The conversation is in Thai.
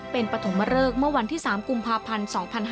เป็นปฐมเริกเมื่อวันที่๓กุมภาพันธ์๒๕๕๙